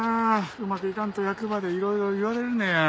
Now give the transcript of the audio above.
うまくいかんと役場でいろいろ言われるねや。